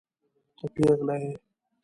ته پيغله يې.